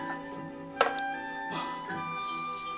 あっ。